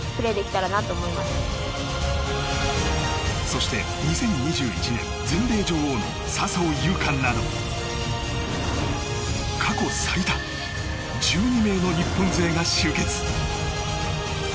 そして２０２１年全米女王の笹生優花など過去最多１２名の日本勢が集結。